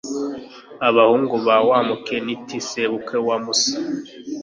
abahungu ba wa mukeniti, sebukwe wa musa